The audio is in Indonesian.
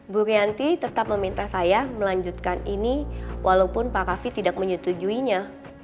bu rianti tetap meminta saya melanjutkan ini walaupun pak kavi tidak menyetujuinya